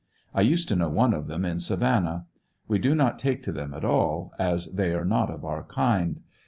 I used to know one of them in Savannah. We do not take to them at all, as they are not of our kind.